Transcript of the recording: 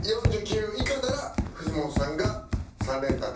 ４９秒以下なら藤本さんが３連単的中。